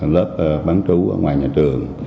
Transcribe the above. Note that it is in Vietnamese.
lớp bán trú ở ngoài nhà trường